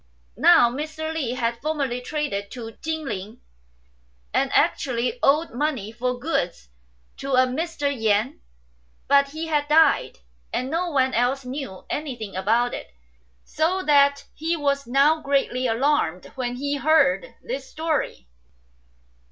2 Now Mr. Li had formerly traded to Chin ling, and actually owed money for goods to a Mr. Yen ; but he had died, and no one else knew anything about it, so that he was now greatly alarmed when he heard this story.